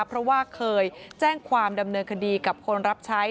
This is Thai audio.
เพราะว่าเคยแจ้งความดำเนินคดีกับคนรับใช้